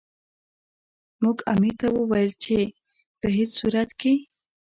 موږ امیر ته وویل چې په هیڅ صورت کې.